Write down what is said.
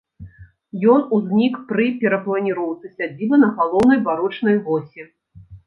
Ён узнік пры перапланіроўцы сядзібы на галоўнай барочнай восі.